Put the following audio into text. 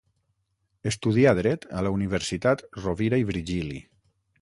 Estudià dret a la Universitat Rovira i Virgili.